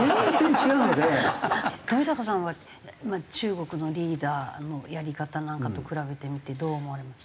富坂さんは中国のリーダーのやり方なんかと比べてみてどう思われますか？